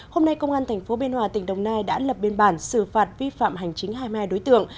hôm nay công an tp biên hòa tỉnh đồng nai đã lập biên bản xử phạt vi phạm hành chính hai mươi hai đối tượng